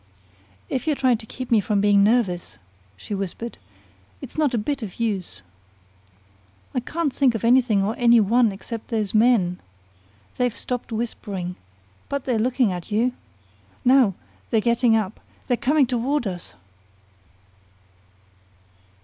"If you're trying to keep me from being nervous," she whispered, "it's not a bit of use! I can't think of anything or any one except those men. They've stopped whispering. But they're looking at you. Now they're getting up. They're coming toward us!"